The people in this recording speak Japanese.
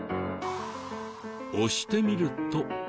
押してみると。